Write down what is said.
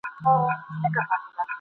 ټول حیران چه څه خبر سو